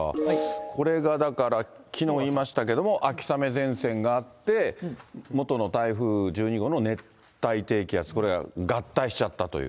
これがだから、きのう言いましたけれども、秋雨前線があって、元の台風１２号の熱帯低気圧、これが合体しちゃったという。